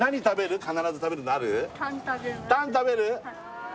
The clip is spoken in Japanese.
タン食べる？